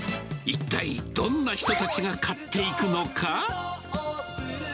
一体、どんな人たちが買っていくのか。